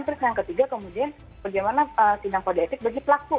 terus yang ketiga kemudian bagaimana tindak kode etik bagi pelaku